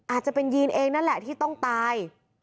อาจจะเป็นยีนเองนั่นแหละที่ต้องตาย